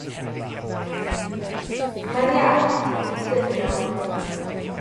Mae'r Iarll yn cydsynio.